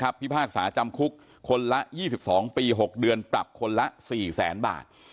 พิพากษาจำคุกคนละ๒๒ปี๖เดือนปรับคนละ๔แสนบาท